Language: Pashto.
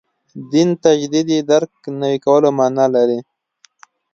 دین تجدید درک نوي کولو معنا لري.